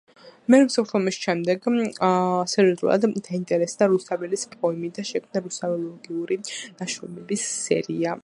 მეორე მსოფლიო ომის შემდეგ სერიოზულად დაინტერესდა რუსთაველის პოემით და შექმნა რუსთველოლოგიური ნაშრომების სერია.